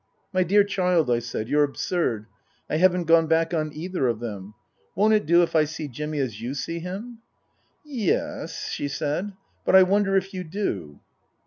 " My dear child," I said, " you're absurd. I haven't gone back on either of them. Won't it do if I see Jimmy as you see him ?"" Ye es," she said. " But I wonder if you do."